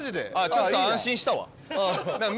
ちょっと安心したわ。